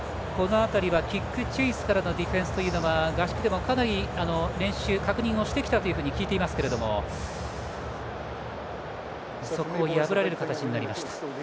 キックチェイスからのディフェンスは合宿でもかなり練習、確認をしてきたと聞いていますがそこを破られる形になりました。